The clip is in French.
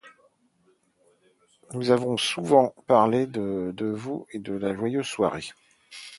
Nous avons souvent parlé de vous et de la joyeuse soirée.